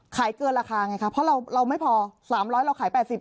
ขายเกินราคาไงครับเพราะเราเราไม่พอสามร้อยเราขายแปดสิบ